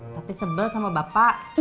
tapi sebel sama bapak